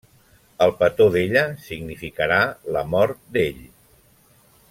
El petó d'ella significarà la mort d'ell.